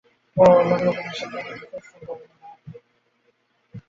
ও অন্য প্রাণীদের সাথে তেমন মিলেমিশে চলতে পারে না।